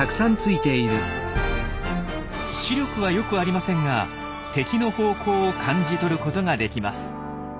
視力は良くありませんが敵の方向を感じ取ることができます。